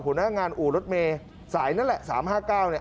หัวหน้างานอู่รถเมย์สายนั่นแหละ๓๕๙เนี่ย